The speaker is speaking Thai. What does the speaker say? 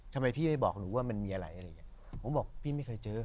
ทำไมพี่ไม่บอกหนูว่ามันมีอะไรอะไรอย่างเงี้ยผมบอกพี่ไม่เคยเจอ